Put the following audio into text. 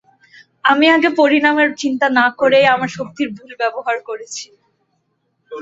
আমি আগে পরিনামের চিন্তা না করেই আমার শক্তির ভুল ব্যবহার করেছি।